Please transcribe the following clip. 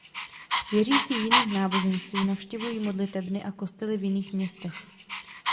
Věřící jiných náboženství navštěvují modlitebny a kostely v jiných městech.